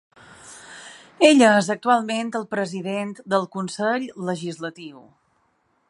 Ell és actualment el president del Consell legislatiu.